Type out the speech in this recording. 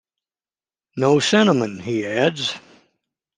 "No cinnamon," he adds.